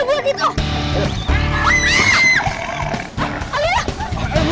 kei ada gua gitu